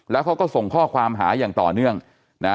แล้วเขาก็ส่งข้อความหาอย่างต่อเนื่องนะ